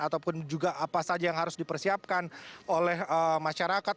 ataupun juga apa saja yang harus dipersiapkan oleh masyarakat